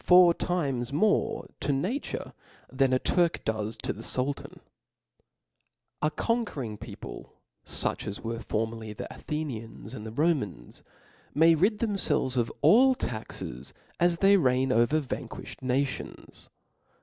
four times more to nature, than a Turk does tQ the Sultan, ♦ A conquering people, fuch as \irere fornricriy the Athenians and the Romans, may rid ihemfelves of all taxes, as they reign over vanquifhed nations.